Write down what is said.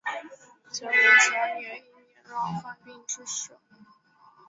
乾隆十二年因年老患病致仕。